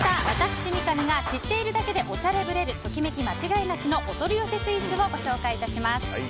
私、三上が知っているだけでおしゃれぶれるときめき間違いなしのお取り寄せスイーツをご紹介致します。